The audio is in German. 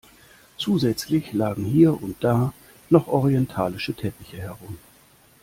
Zusätzlich lagen hier und da noch orientalische Teppiche herum.